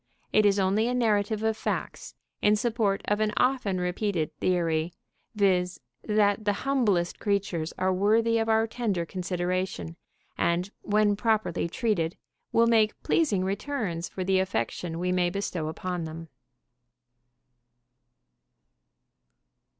It is only a narrative of facts in support of an often repeated theory, viz.: that the humblest creatures are worthy of our tender consideration, and, when properly treated, will make pleasing returns for the affection we may bestow upon them.